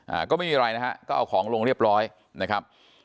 อ่าก็ไม่มีอะไรนะฮะก็เอาของลงเรียบร้อยนะครับ